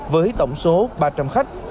với tổng số ba trăm linh khách